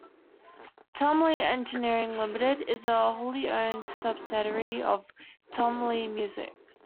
Tom Lee Engineering Limited is a wholly owned subsidiary of Tom Lee Music.